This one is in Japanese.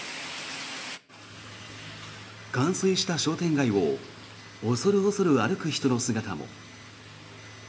冠水した商店街を恐る恐る歩く人の姿も。